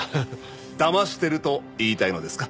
だましてると言いたいのですか？